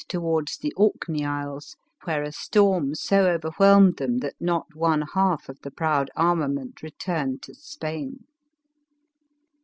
towards the Orkney isles, where a storm so over whelmed them that not oiie half of the proud arma ment returned to Spain.